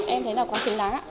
em thấy là quá xứng đáng